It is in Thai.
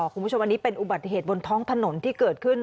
คุณผู้ชมอันนี้เป็นอุบัติเหตุบนท้องถนนที่เกิดขึ้น